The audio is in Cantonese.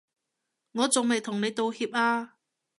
我仲未同你道歉啊